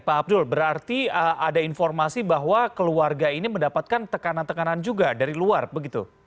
pak abdul berarti ada informasi bahwa keluarga ini mendapatkan tekanan tekanan juga dari luar begitu